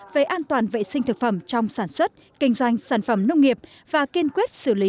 về an toàn vệ sinh thực phẩm trong sản xuất kinh doanh sản phẩm nông nghiệp và kiên quyết xử lý